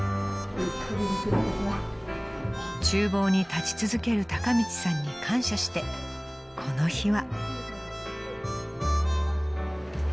［厨房に立ち続ける孝道さんに感謝してこの日は］